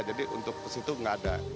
jadi untuk ke situ tidak ada